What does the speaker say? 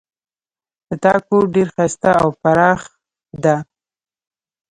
د تا کور ډېر ښایسته او پراخ ده